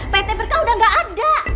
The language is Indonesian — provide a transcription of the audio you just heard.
pt berkah udah gak ada